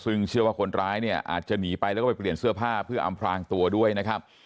ซึ่งเชื่อว่าคนร้ายเนี่ยอาจจะหนีไปแล้วก็ไปเปลี่ยนเสื้อผ้าเพื่ออำพลางตัวด้วยนะครับ